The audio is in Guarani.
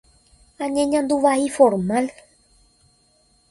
añeñandu vai formal.